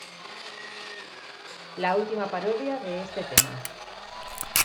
La Última parodia de este Tema.